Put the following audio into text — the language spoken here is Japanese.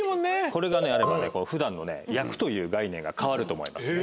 これがあれば普段の焼くという概念が変わると思います。